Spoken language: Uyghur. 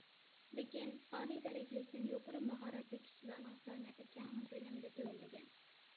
لېكىن، ئالىي دەرىجىلىكتىن يۇقىرى ماھارەتلىك ئىشچىلارنىڭ سانى كەڭ كۆلەمدە تۆۋەنلىگەن.